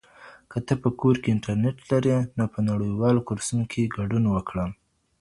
که ته په کور کي انټرنیټ لري نو په نړیوالو کورسونو کي ګډون وکړه.